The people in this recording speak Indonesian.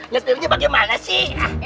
lihat filmnya bagaimana sih